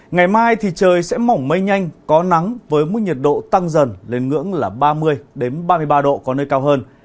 ngày mai thì trời sẽ mỏng mây nhanh có nắng với mức nhiệt độ tăng dần lên ngưỡng là ba mươi ba mươi ba độ có nơi cao hơn